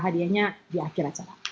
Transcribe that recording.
hadiahnya di akhir acara